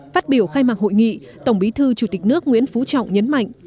phát biểu khai mạc hội nghị tổng bí thư chủ tịch nước nguyễn phú trọng nhấn mạnh